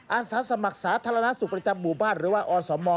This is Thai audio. อาสาสมัครสาธารณสุขประจำหมู่บ้านหรือว่าอสม